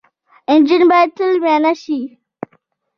انجن باید تل معاینه شي.